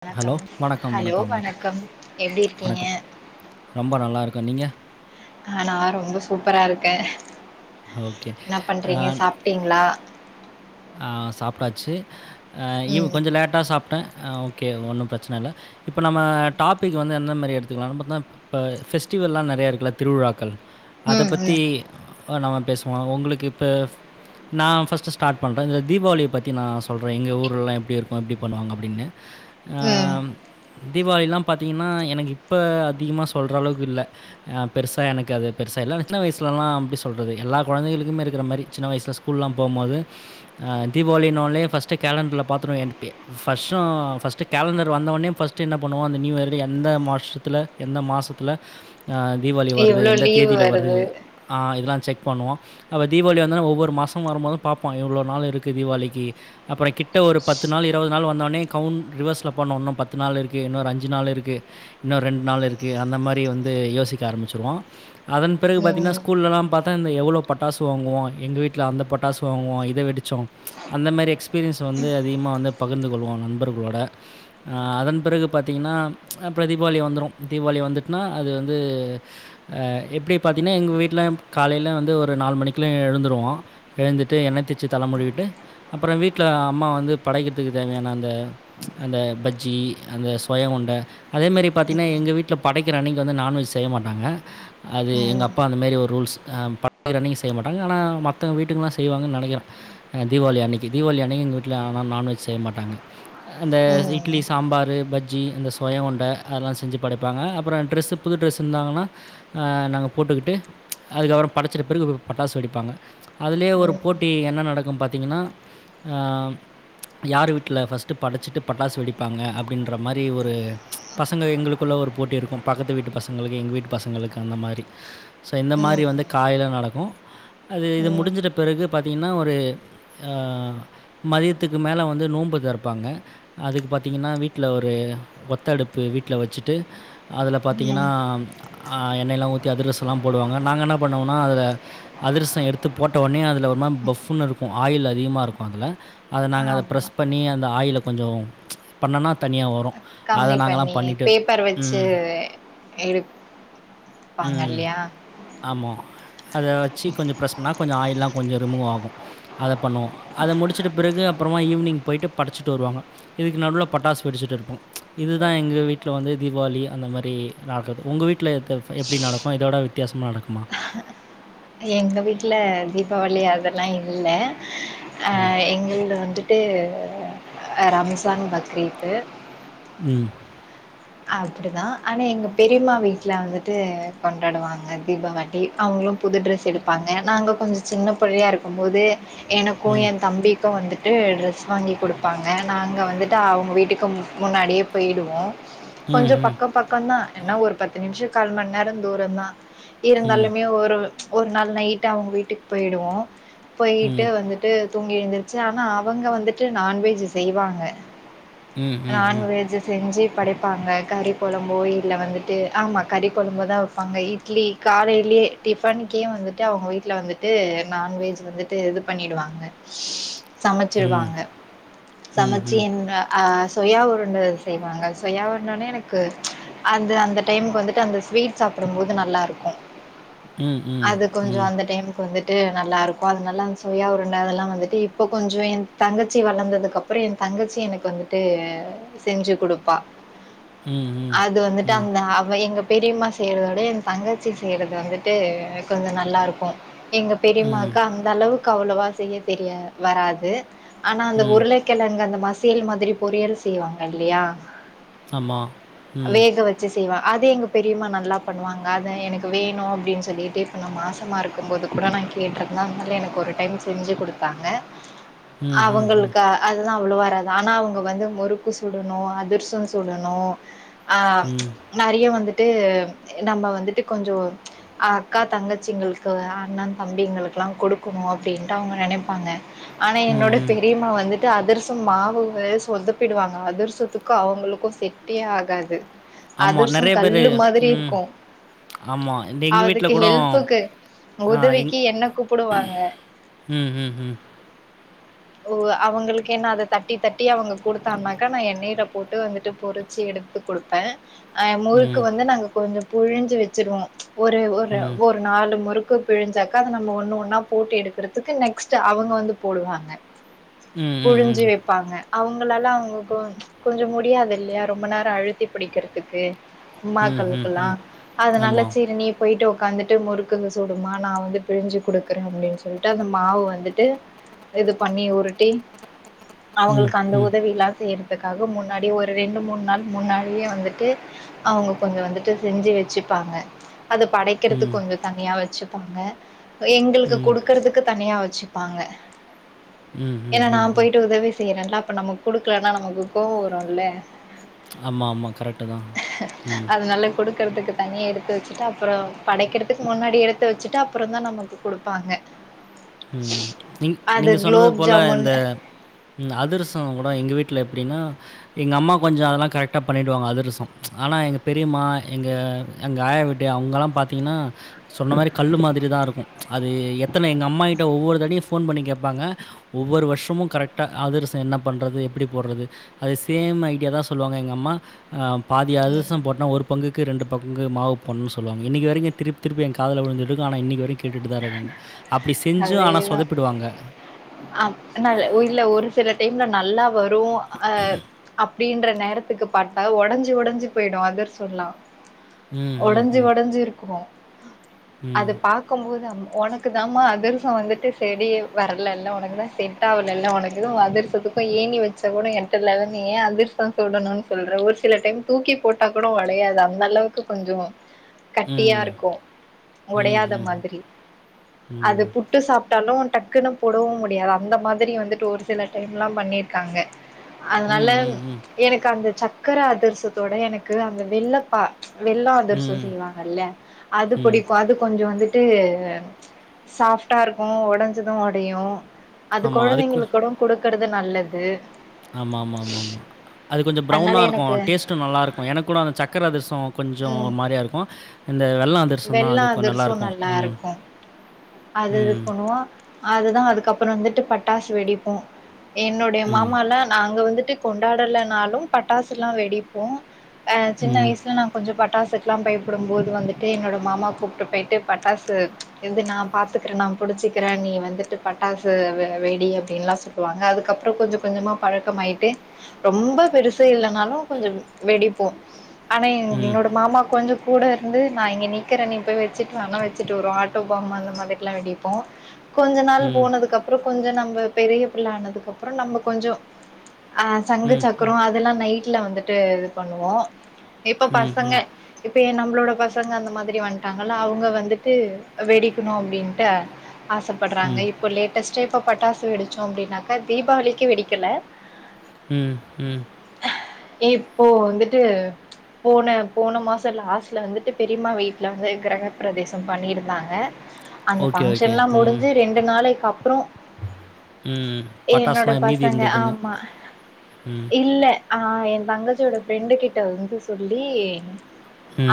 வணக்கம் ஹலோ வணக்கம் எப்டி இருக்கீங்க வணக்கம். ரொம்ப நல்லா இருக்கோம். நீங்க? ஆ நா ரொம்ப சூப்பரா இருக் க்க ஓகே. என்ன பண்றீங்க சாப்டீங்களா ஆ சாப்பிடாச்சி ஆஹா இவ் ம் கொஞ்சோ லேட்டாக சாப்ட்டே ஓகே ஒன்னும் பிரச்சின இல்ல இப்போ நம்ம டாப்பிக் வந்து எந்த மாரி எடுத்துக்கலாம் நம்மதா இப்ப ஃபெஸ்டிவெல்லா நெறையா இருக்குல்ல திருவிழாக்கள் அத ம் பத்தி ம் நம்ம பேசுவோம் உங்களுக்கு இப்ப நா ஃபர்ஸ்ட்டு ஸ்டார்ட் பண்ணுறே இந்த தீபாவளி பத்தி நா சொல்றே எங்க ஊர்லல்லா எப்ப இருக்கும் எப்டி பண்ணுவாங்க அப்டின்னு ம் ஆஹ் தீபாவளிலாம் பாத்திங்கன்னா எனக்கு இப்போ அதிகமா சொல்ற அளவுக்கு இல்ல பெருசா எனக்கு அது பெருசா இல்ல சின்ன வயசுலல்லா எப்டி சொல்றது எல்லா கொழந்தைங்களுக்குமே இருக்குற மாரி சின்ன வயசுல ஸ்கூல்லாம் போம்போது ஹா தீபாவளினாலே ஃபர்ஸ்ட்டு கேலண்டர்ல பாத்துருவோ எப்யே ஃபஸ்ட்டும் ஃபஸ்ட்டு கேலண்டர் வந்தவோட்னே ஃபஸ்ட் என்ன பண்ணுவோ அந்த நியூ இயரு எந்த மாசஷதுல்ல எந்த மாசத்துல ஹா தீபாவளி வருது எவ்ளோ எந்த லீவு தேதியில வருது இதெலாம் செக் பண்ணுவோ அப்ப தீபாவளி வந்தோனே ஒவ்வொரு மாசம் வரும்போதும் பாப் ப்போ எவ்ளோ நாள் இருக்கு தீவாளிக்கு அப்புறம் கிட்ட ஒரு பத்து நாள் இருபது நாள் வந்தோனே கவுண்ட் ரிவர்ஸ்ல பண்ணுவோ இன்னோ பத்து நாள் இருக்கு இன்னு ஒரு அஞ்சு நாள் இருக்கு இன்னோ ரெண்டு நாள் இருக்கு அந்த மாரி யோசிக்க ஆரம்பிச்சிருவோ அதன் பிறகு பாத்தீங்கன்னா ம் ஸ்கூல் ஏல்லாம் பாத்தா எவ்ளோ பட்டாசு வாங்குவோ எங்க வீட்ல அந்த பட்டாசு சு வாங்குவோ இத வெடிச்சோம் அந்த மாரி எக்ஸ்பீரியன்ஸ் வந்து அதிகமா வந்து பகிர்ந்து கொள்வோ நண்பர்களோட அதன் பிறகு பாத்தீங்கன்னா அப்புறம் தீபாவளி வந்துரும் தீபாவளி வந்துட்டுனா அது வந்து ஆ எப்டி பாரத்தீங்கன்னா எங்க வீட்டுல காலையில வந்து ஒரு நாலு மணிக்குலா எழுந்துருவோ எழுந்துட்டு என்னதேச்சு தல முழுவிட்டு அப்புறம் வீட்ல அம்மா வந்து படைக்கிறதுக்கு தேவையான அந்த அந்த பஜ்ஜி அந்த சூவைய்யோ உருண்ட அதே மாரி பாத்தீங்கன்னா ம் எங்க வீட்ல படைக்கிற அன்னைக்கு வந்து நான்வெஜ் செய்ய மாட்டாங்க அது எங்க ம் அப்பா அந்த மேரி ஒரு ரூல்ஸ் படைக்கிற அன்னைக்கு செய்ய மாட்டாங்க ஆனா மத்த வீட்ட வீட்டுங்கல்லலா செய்வாங்கு நெனைக்கிறே தீவாளி அன்னைக்கு தீவாளி அன்னைக்கு எங்க வீட்டில ஆனா நான்வெஜ் செய்ய மாட்டாங்க அந்த ம் இட்லி சாம்பார்ரு பஜ்ஜி அந்த சூய்யோ உருண்ட அதெல்லா செஞ்சு படைப்பாங்க அப்புறம் ட்ரெஸ்ஸு புது ட்ரெஸ் இருந்தாங்கன்னா நாங்க போட்டுக்கிட்டு அதுக்கப்புறம் படைச்சிட்ட பிறகு பட்டாசு வெடிப்பாங்க அதுலேயே ஒரு ம் போட்டி என்ன நடக்கும் பாத்தீங்கன்னா யார் வீட்டில ஃபர்ஸ்ட்டு படைச்சிட்டு பட்டாசு வெடிப்பாங்க அப்டின்ற மாரி ஒரு பசங்க எங்களுக்குள்ள ஒரு போட்டி இருக்கும் பக்கத்து வீட்டு பசங்களுக்கு எங்க வீட்டு பசங்களுக்கு அந்த மாரி சோ இந்த மாரி ம் வந்து காலையில நடக்கும் அது இது முடிச் ம் அஞ்சிட்ட பிறகு பாத்தீங்கன்னா ஒரு அ மதியத்துக்கு மேலே வந்து நோம்பு தரப்பாங்க அதுக்கு பாத்தீங்கன்னா வீட்ல ஒரு ஒத்தடுப்பு வீட்ல வச்சிட்டு அதுல பாத்திங்கனா ம் அ எண்ணெய்லா ஊத்தி அதிரசம்லா போடுவாங்க நாங்க என்ன பண்ணுவோம்னா அதுல அதிரசம் எடுத்து போட்ட ஒடனே அதுல ஒரு மாரி பஃபுன்னு இருக்கும் ஆயில் அதிகமாக இருக்கு அதுல அத நாங்க அத ஆமா ப்ரஸ் பண்ணி அந் அந்த ஆயில கொஞ்சோ பண்ணன்னா தனியா வரு கம்மி பண்ணி பேப்பர் வச்சு ம் எடுப்பாங்க ம். இல்லையா ஆமா. அத வச்சு கொஞ்ச ப்ரஸ் பண்ணா கொஞ்ச ஆயில்லா கொஞ்சம் ரிமூவ் ஆகு அத பண்ணுவோ அத முடிச்சிட்ட பிறகு அப்பறமா ஈவ்னிங் போயிட்டு படச்சிட்டு வருவாங்க இதுக்கு நடுவுல பட்டாசு வெடிச்சிட்டு இருப்போ இது தா எங்கள் வீட்ல வந்து தீபாவளி அந்த மாரி நடக்கறது உங்க வீட்ல எந்த எப்டி நடக்கு இதோட வித்தியாசமா நடக்குமா எங்க வீட்ல தீபாவளி அதெல்லா இல்ல அ ம். எங்கள்ல வந்துட் ட்டு அ ரம்ஸான் பக்ரீத்து ம் அப்டிதா ஆனா எங்க பெரிம்மா வீட்ல வந்துட்டு கொண்டாடுவாங்க தீபாவளி அவங்ளு புது ட்ரெஸ் எடுப்பாங்க நாங்க கொஞ்ச சின்ன புள்ளையா இருக்கும் போது எனக்கு ம். எ தம்பிக்கு வந்து ட்டு ட்ரெஸ் வாங்கி கொடுப்பாங்க நாங்க வந்துட்டு அவங்க வீட்டுக்கு முன்னாடியே போயிடுவோ கொஞ்ச ம். ம். பக்க பக்கந்தா என்ன ஒரு பத்து நிமிஷ கால் மண்நேர தூரம் தா இருந்தாலுமே ஒரு ஒரு நாள் நைட் அவுங்க வீட்டுக்கு போயிடுவோ போயிட்டு ம். வந்துட்டு தூங்கி எழுந்துருச்சு ஆனா அவங்க வந்துட்டு நான்வெஜ் செய்வாங்க ம். ம். ம். நான்வெஜ் செஞ்சு படைப்பாங்க கறி கொழம்போ இல்ல வந்துட்டு ஆமா கறி கொழம்பு தா வைப்பாங்க இட்லி காலையிலயே டிஃபனுக்கே வந்துட்டு அவுங்க வீட்ல வந்துட்டு நான்வெஜ் வந்துட்டு இது பண்ணிடுவாங்க ம். சமைச்சிருவாங்க ம். சமைச்சு ம். என் அ சுயா உருண்ட செய்வாங்க சுயா உருண்டனே எனக்கு அந்த அந்த டைமுக்கு வந்துட்டு அந்த ஸ்வீட் சாப்பிடும் போது நல்லாருக்கு ம். ம். ம். அது கொஞ்ச ம். அந்த டைமுக்கு வந்து து நல்லா இருக்கு அதனால அந்த சுயா உருண்ட அதெல்லா வந்துட்டு இப்ப கொஞ்ச என் தங்கச்சி வளந்ததுக்கு அப்புற எந்தங்கச்சி எனக்கு வந்துட்டு ட்டு செஞ்சு குடுப்பா ம். அது வந்துட்டு ம். அந்த அவ எங்க பெரிமா செய்யறதோட எந் தங்கச்சி செய்யறது வந்துட்டு கொஞ்ச நல்லா இருக்கு எங்க ம். பெரிம்மாக்கு அந்த அளவு கு அவ்வளவா செய்ய தெரிய வராது ஆனா அந்த ம். உருளை கிழங்க அந்த மசா ல் மாதிரி பொறியல் செய்வாங்க இல்லையா ஆமா. ம். வேக வச்சு செய்வா அது எங்க பெரியம்மா நல்லா பண்ணுவாங்க அத எனக்கு வேணு அப்டின் சொல்லிட்டு அப்ப நா மாசமா இருக்கும்போது கூட நா கேட்ருந்தே அதனால எனக்கு ஒரு டைம் செஞ்சு குடுத்தாங்க ம். ம். ம். அவங்களுக்க அது தா [unintelligible] வராது ஆனா அவு ங்க வந்து முறுக்கு சுடணு அதிர்சோ சுடணு ஆஹ் ம். நெறைய வந்துட் டு நம்ம வந்துட்டு கொஞ்சோ அக்கா தங்கச்சிங்கள்காவ அண்ண தம்பிங்களுக்குலா குடுக்கணு அப்டின்ட்டு அவங்க நெனைப்பாங்க ஆனா ம், என்னோட ம். பெரியம்மா வந்து அதர்சம் மாவுங்கறத சுட் சொதப்பிடுவாங்க அதுர்சத்துக்கு அவுங்களுக்கு செட்டே ஆகாது ஆமா அதிரசம் நறைய பேரு கல்லு மாதிரி ம் இருக்கும். ஆமா எங்க வீட்ல அதுக்கு கூடோ ஹெல்ப்புக்கு ஆஹ் உதவிக்கு என்ன கூப்பிடுவாங்க. உம் உம் உம் ஓ அவுங்களுக்கு என்ன அத தட்டி தட்டி அவூங்க குடுத்தானாக்கா நா எண்ணெய்ல போட்டு வந்துட்டு பொறிச்சு எடுத்து குடுப்பே அஹ் முறுக்கு ம், வந்து நாங்க கொஞ்சோ புழிஞ்சு வெச்சுடுவோ ஒரு ஒரு ம். ஒரு நாலு முறுக் க்கு புழிஞ்சாக்க அத நம்ம ஒண்ணு ஒண்ணா போட்டு எடுக்கறதுக்கு நெக்ஸ்ட் அவுங்க வந்து போடுவாங்க ம், ம், புழிஞ்சு ம். வெப்பாங்க அவுங்களால அவங்க கொ கொஞ்சோ முடியாது இல்லையா ரொம்ப நேரோ அழுத்தி பிடிக்கிறதுக்கு ம், ம், உமாக்களுக்கெல்லா ம். அதுனால்ல ஆமா. சிர் நீ போயிட்டு உட்காந்துட்டு முறுக்குங்க சூடுமா நா வந்து பிழிஞ்சு குடுக்குறே அப்டின்னு சொல்லிட்டு அந்த மாவு வந்துட்டு இது பண்ணி உருட்டி ம், அவுங்களுக்கு அந்த ம், உதவி எல்லா செய்ற அதுக்காக முன்னாடிே ஒரு ரெண்டு மூணு நாள் முன்னாடியே வந்துட்டு அவுங்க கொஞ்சோ வந்துட்டு செஞ்சு வெச்சுப்பாங்க அது ம், ம். படைக்கிறதுக்கு கொஞ்சோ தனியா வச்சுப் போங்க எங்களுக்கு ம், குடுக்கறதுக்கு தனியா வச் வெச்சுப்பாங்க ம், ஏனா நா ம், ம். போயிட்டு உதவி செய்யறேன்லா இப்போ நம்ம குடுக்கலனா நமக்கு கோவோ வரும்ல ஆமா ஆமா கரெக்ட்டு தா ம் தனிய எடுத்து வெச்சுட்டா அப்புறோ படைக்கிறதுக்கு முன்னாடி எடுத்து வெச்சுட்டு அப்புறோ தா நமக்கு குடுப்பாங்க உம் நீ அது நீங்க சொன்னது குலோப் போல ஜாமுன் இந்த அதர்சோ கூட எங்கள் வீட்ல அப்டின்னா எங்க அம்மா கொஞ்சோ அதெல்லா கரெக்ட்டா பண்ணிட்டுவாங்க அதர்சோ ஆனால் எங்கள் பெரியம்மா எங்க எங்க ஆயா வீட்டு அவுங்கெல்லா பாத்தீங்ன்னா சொன்ன மாதிரி கல்லு மாதிரி தா இருக்கு அது எத்தனை எங்க அம்மா ஒரு தடிய ஃபோன் பண்ணி கேட்பாங்க ஒவ்வொரு வருஷமு கரெக்டா அதுரசசோ என்ன பண்ணுறது எப்டி போடுறது அதே சேம் ஐடியா தா சொல்லுவாங்க எங்க அம்மா ஆ பாதி ம் அதிரசோ போட்ட ஒரு பங்குக் க்கு ரெண்டு பங்கு மாவு போட்னு சொல்வாங்க இன்னிக்கு வரைக்கு திருப்பி திருப்பி என் கால்ல விழுந்துட்டுருக் அனா இன்னிக்கு வரைக்கு கேட்டுட்டுதா இருக்கே அப் அதே தா ஆ நா இல்ல ஒரு சில டைம்ல நல்லா வரு ஆஹ் அப்டின்ற நேரத்துக்கு பார்த்தா ஒடஞ்சு ஒடஞ்சு போயிடு அதிர்சோல்லா ம், ம், ஒடஞ்சி ம். ஒடஞ்சி இருக்குமோ [inaudible] அது ம். பாக்கும்போது [unintelligible] உனக்கு தாம்மா அ திர்சோ வந்துட்டு செடி வரலல்ல உனக்கு தா செட்டாவலல்ல உனக்கு அதிரசத்துக்கு ஏணி வச்சா கூட எட்டலல்ல நீ ஏ அதிர்சோ சுடணுனு சொல்றே ஒரு சில டைம் தூக்கி போட்டா கூட ஒடையாது அந்த அளவுக்கு கொஞ்சோ கட்டியா ம். இருக்கு ம், ஒடையாத ம், ம். மாதிரி அது ம். புட்டு சாப் ட்டாலு டக்குன்னு போடவு முடியாது அந்த மாதிரி வந்துட்டு ஒரு சில டைம்லா பண்ணிர்க்காங்க ம், அதுனால ம், ம். எனக்கு அந்த சக் க்கரா அதுர்சத்தோட எனக்கு அந்த வெள்ளப் பா வெள்ள அதுர்சோ ம், செய்வாங்கல்ல அது ம். புடிக்கு அது கொஞ்ச வந்து ட்டு சாஃப்டா இருக்கனு ஒடஞ்சது ஒடையனு அது ஆமா. கொழந்தைங்களுக் கூடங் குடுக் கிறது நல்லது ஆமாம்மாம்மாம்மா அது கொஞ்ச அதனால ப்ரௌனா எனக்கு இருக்கு டேஸ்ட்டு நல்லா இருக்கு எனக் கூட அந்த சக்கர அதுர்சோ உம் அதிரசம் தான் வெள்ள அது கொ அதுர்சோ நல்லாருக்கும். நல்லா ம். இருக்கு அது ம். பண்ணுவோ அதுதா அதுக்கப்ற வந்துட்டு பட்டாசு வெடிப் போ என்னுடைய ம். மாமாலா நாங்க இங்குட்டு கொண்டாடலனாலும் பட்டாசுலா வெடிப்போ ஆஹ் சின்ன ம். வயசுல நாங் பட்டாசுக்லா பயப்படும்போது வந்துட்டு என்னோட மாமா கூப்ட்டு போயிட்டு பட்டாசு இது நா பாத்துக்குறே நா புடுச்சுக்குறே நீ வந்துட்டு பட்டாசு வெ வெடி அப்டின்லா சொல்லுவாங்க அதுக்கப்ற கொஞ்ச கொஞ்சமா பழக்கமாய்ட்டு ரொம்ப பெருசே இல்லனாலு கொஞ்சம் வெடிப்போ ஆன ம். என்னோட மாமா கொஞ்சக் கூட வந்து நா இங்க நீக்கறே நீ போய் வச்சிட்டு வானா வச்சுட்டு வருவோ ஆட்டோ பாம் அந்த மார்லா வெடிப்போ கொஞ்ச நாள் ம். போனதுக்கப்றோ கொஞ்சோ நம்ப பெரிய பிள்ள ஆனதுக்கு அப்றோ நம்ம கொஞ்சோ ஆ ம். சங்கு ம். சக்கர அதெல்லா நைட் வீட்ல வந்துட்டு இது பண்ணுவோ இப்ப ம். பசங்க இப்ப எ நம்மளோட பசங்க அந்த மாதிரி வந்துட்டாங்கல்ல அவுங்க வந்துட்டு வெடிக்கணு அப்படின்ட்டு ஆசப்படுறாங்க ம். இப்ப லேட்டஸ்ட இப்ப பட்டாசு வெடிச்சோ அப்பிடின்னாக்கா தீபாவளிக்கு வெடிக்கல ம் ம் ஏ இப்போ வந்துட்டு போன போன மாச லாஸ்ட்ல வந்துட்டு பெரிமா வீட்டுல வந்து கிரகப்பிரவேசம் பண்ணிருந்தாங்க அந்த ஓகே, பங்க்ஷன் ஓகே. எல்லா ம். முடிஞ்சு ரெண்டு நாளைக்கு அப்ற ம். என்னோட பட்டாசுலாம் மீதி பசங்க இருந்ததுன்னு. ஆமா ம். இல்ல ஆஹ் எந் தங்கச்சி ஓட ஃப்ரெண்டு கிட்ட வந்து சொல்லி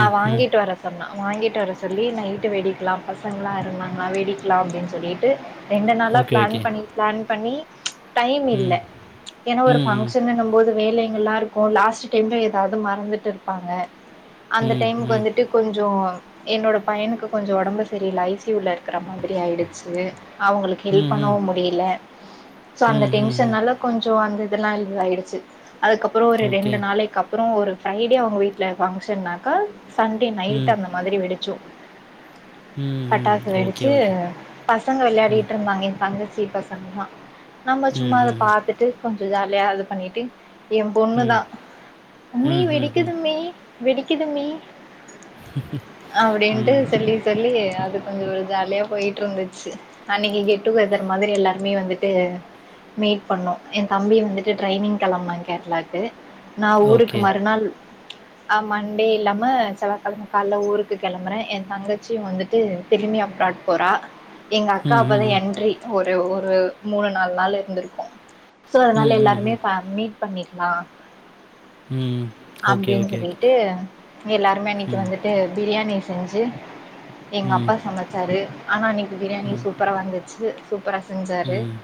ஆ ம். வாங்கிட்டு வர சொன்னா வாங்கிட் வர சொல்லி நைட்டு வெடிக்கலா பசங்களா இருந்தாங்களா வெடிக்கலா அப்டின்னு சொல்லிட்டு ரெண்டு நாளா ஓகே, பிளான் ஓகே. பண்ணி பிளான் பண்ணி டைம் இல்ல ம். ஏன்னா ஒரு ம். ம். பங்க்ஷன்னுங்கம் போது வேலை எல்லா இருக்கு லாஸ்ட் டைம்ல ஏதாவது மறந்துட் டு இருப்பாங்க அந்த ம். டைமுக்கு ம். ம். வந்துட்டு கொஞ்சோ என்னோட பையனுக்கு கொஞ்சோ ஒடம்பு சரியில்ல ஐ சி யு-ல இருக்கற மாதிரி ஆயிடுச்சு அவங்களுக்கு ஹெல்ப் ம். பண்ணவு முடியல சோ அந்த ம். ம். ம். டென்ஷன்னால கொஞ்சோ வந்து அதனால இதாயிடுச்சு அதுக்கப்பறம் ஒரு ஓகே. ரெண்டு நாளைக்கு அப்பறோ ஒரு ஃப்ரைடே அவங்க வீட்ல ஃபங்க்ஷன்னாக்க சண்டே நைட் ம். அந்த மாதிரி வெடிச்சோ ம். ம். பட்டாசு ஓகே, வெடிச்சு ஓகே. பசங்க ம். விளையாடிட்டு இருந்தாங்க என் தங்கச்சி பசங்களா நம்ம ம். சும்மா அத ம். பாத்துட்டு கொஞ் இதாலேயா அது பண்ணிட்டு என் ம். பொண்ணுதா மீ ம், ம், ம், வெடிக்குது மீ வெடிக்குது மீ அப்டின்ட்டு ம். சொல்லி சொல்லி அது கொஞ்ச ஒரு ஜாலியா போயிட்டு இருந்துச்சு அன்னைக்கு கெட் டுகெதர் மாதிரி எல்லார் மே வந்துட்டு மீட் பண்ணோ எந் தம்பி வந்துட்டு ட்ரைனிங் கிளம்புனா கேரளாக்கு நா ஊருக்கு ஓகே. மறுநாள் அ மண்டே இல்லாம செவ்வாகெழம காலல ஊருக்கு கெளம்புறே எந் தங்கச்சியு வந்துட்டு திரும்பி அப்ராட் போறா எங்க அக்கா ம், அப்ப ம், தா ம். என்ட்ரி ஒ ரு ஒரு மூணு நாலு நாள் இருந்திருப்போ சோ ம், அதனால ம், எல்லாருமே ம். மீட் பண்ணிக்கலா ம். ஓகே, அப்டின்னு ஓகே, ஓகே. சொல்லிட்டு எல்லாருமே அன்னைக்கி ம், வந்துட்டு பிரியாணி செஞ்சு எங்க ம், அப்பா சமைச்சாரு ஆனா நி பிரியாணி ம், சூப்பரா வந்துச்சு ப்ரா செஞ்சாரு ம்.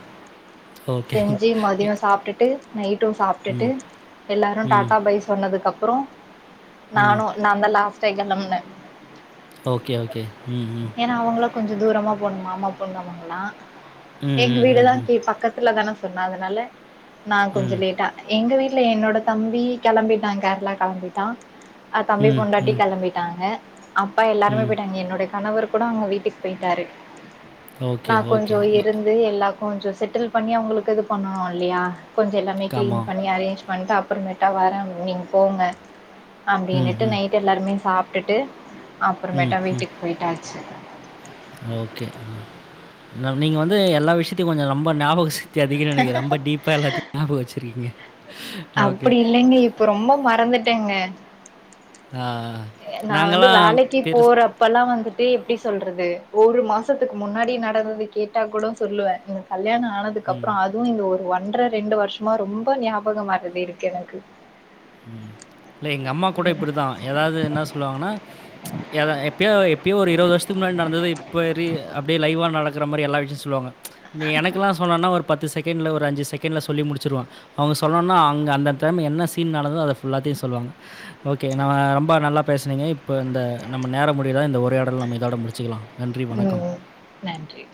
ஓகே. செஞ்சு இ மதியோ சாப்பிட்டுட்டு நைட்டு சாப்பிட்டுட்டு ம், எல்லாரு டா ம், அபை சொன்னதுக்கு அப் ப்ரோ ம். நானு நா தா லாஸ்ட் செரி கெளம்புனா ஓகே ஓகே ம் ம் கொஞ்ச தூரமா போணு மாமா பொண்ணு அவங்களா ம், எங்க ம், ம், வீடுதா ம். கே பக்கத்துல தானே சொன்ன அதனால நா ம், கொஞ்ச லேட்டா எங்க வீட் இல்ல என்னோட தம்பி கெளம்பிட்டா கேரளா கெளம்பிட்டா தம்பி ம், பொண்டாட்டி ம், கிளம்பிட்டாங்க அப்பா எல்லாருமே ம். போயிட்டாங்க என்னுடைய கணவர்ரு கூட அவங்க வீட்டுக்கு போயிட்டாரு ஓகே, நா ஓகே. கொஞ்சோ நெ இருந்து எல்லா கொஞ்சோ செட்டில் பண்ணி அவங்களுக்கு இது பண்ணனு இல்லையா கொஞ்சோ எல்லாமே ஆமா. கிளீன் பண்ணி அரேஞ்ச் பன்ட்டு அப் ஒரு [unintelligible] அட்ட வாரம் நீங் போங்க ம், அப்டின்னுட்டு ம், நைட் எல்லாருமே சாப் ப்டுட்டு ம், அப்புறமேட்டா ம். வீட்டுக்கு போயிட்டாச்சு ஓகே ம் ந நீங்க வந்து எல்லா விஷயத்தையு கொஞ்ச ரொம்ப ஞாபகச த்தி அதிகனு நெனைக்குற ரொம்ப டீப்பா எல்லாத்தையு ஞாபகோ வெச்சிருக்கீங்க அப்புடி இல்லைங்க இப்ப ரொம்ப மறந்து டங்க ஆ எ நா வந்து நாங்கலாம் வேலைக்கி பெருசு போறப்பல்லா வந்த் டே எப்டி சொல்றது ஒரு மாசத்துக்கு முன்னாடி நடந்தது கேட்டா கூட சொல்லுவே எங்க கல்யாணோ ஆனதுக்கு ம். அப்புறோ அதுவு இது ஒரு ஒர்க் ஒன்ற ரெண்டு வருஷமா ரொம்ப ஞாபகம் மறதி இருக்கு எனக்கு ம் இல்ல எங்க அம்மா கூட இப்படிதா எதாவது என்ன சொல்லுவாங்கனா எதாது எப்பயோ எப்பயோ ஒரு இருவது வருஷத்துக்கு முன்னாடி நடந்தது இப்போயெரி அப்டியே லைவா நடக் [unintelligible] மாரி எல்லாயிடுச்சு சொல்வாங்க நீ எனக்குல்லா சொன்னனா ஒரு பத்து செ கேண்ட்ல ஒரு அஞ்சு செகேண்ட்ல சொல்லி முடிச்சிருவ அவ சொன்னான்னா அங்க அந்த தம்பி என்ன செ கண்ட் நடத்ததோ ஃபுல்லாத்தையு சொல்வாங்க ஓகே நா ரொம்ப நல்லா பேசுனீங்க இப்ப த்த நம்ம நேரோ முடியிற இந்த ஒரையாடல் நம்ம இதோட முடிச்சுக்கலா நன்றி வணக்கம் ம். நன்றி.